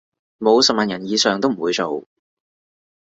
冇十萬人以上都唔會做